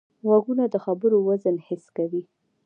غوږونه د خبرو وزن حس کوي